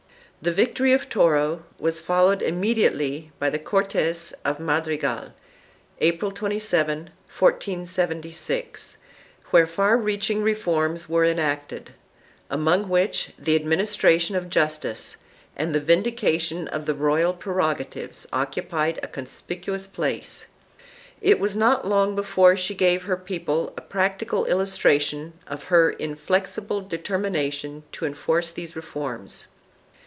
The victory of Toro was followed immediately by the Cortes of Madrigal, April 27, 1476, where far reaching reforms were enacted, among which the administra tion of justice and the vindication of the royal prerogatives occu pied a conspicuous place.4 It was not long before she gave her people a practical illustration of her inflexible determination to enforce these reforms.